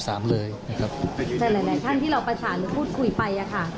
แต่หลายท่านที่เราประสานหรือพูดคุยไปค่ะ